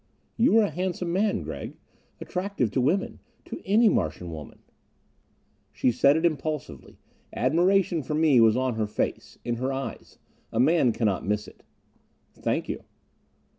You are a handsome man, Gregg attractive to women to any Martian woman." She said it impulsively. Admiration for me was on her face, in her eyes a man cannot miss it. "Thank you."